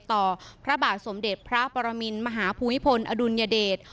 พระบาทสมเด็จพระปรมินมหาภูมิพลอดุลยเดช